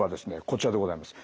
こちらでございます。